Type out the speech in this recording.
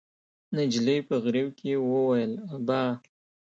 نجلۍ په غريو کې وويل: ابا!